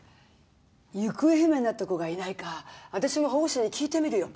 行方不明になった子がいないか私も保護司に聞いてみるよ